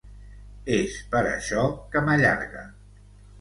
És per això que m'allarga.